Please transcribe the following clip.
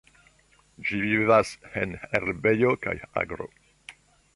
Ĝi vivas en herbejo kaj agro.